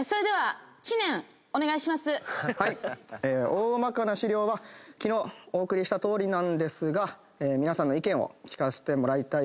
大まかな資料は昨日お送りしたとおりなんですが皆さんの意見を聞かせてもらいたいです。